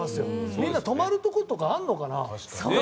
みんな泊まるところとかあるのか？